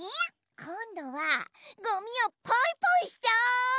こんどはごみをポイポイしちゃおう！